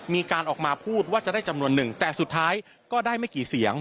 มีการออกมาพูดว่าจะได้จำนวนหนึ่งแต่สุดท้ายก็ได้ไม่กี่เสียง